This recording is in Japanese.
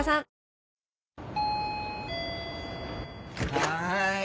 はい。